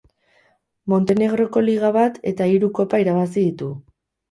Montenegroko liga bat eta hiru kopa irabazi ditu.